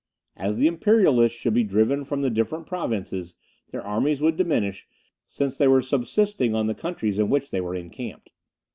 As the imperialists should be driven from the different provinces, their armies would diminish, since they were subsisting on the countries in which they were encamped.